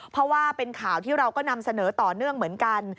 เพราะว่าเป็นข่าวที่เราก็นำเสนอต่อเนื่องเหมือนกัน